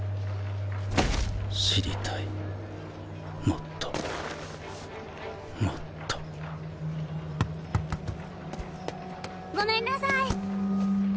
知りたいもっともっとごめんなさい。